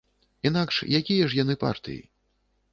Інакш якія ж яны партыі?